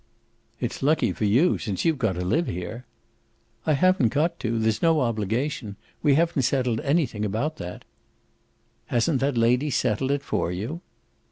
"It's lucky for you, since you've got to live here." "I haven't got to; there's no obligation. We haven't settled anything about that." "Hasn't that lady settled it for you?"